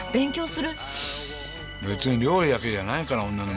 別に料理だけじゃないから女の魅力は。